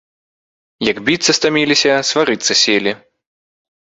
Як біцца стаміліся, сварыцца селі.